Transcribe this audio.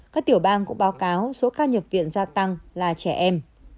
các tiểu bang cũng báo cáo số ca nhập viện gia tăng là trẻ em